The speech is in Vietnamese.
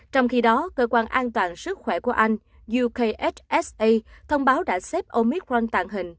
trong khi đó cơ quan an toàn sức khỏe của anh ukhsa thông báo đã xếp omicron tàng hình